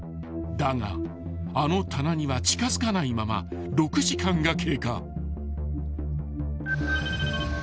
［だがあの棚には近づかないまま６時間が経過］